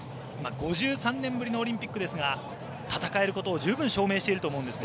５３年ぶりのオリンピックですが戦えることを十分証明していると思うんですが。